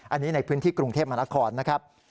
อันนี้ในพื้นที่กรุงเทพมหานครนะครับ